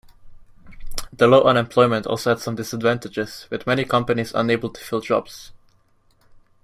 The low unemployment also had some disadvantages, with many companies unable to fill jobs.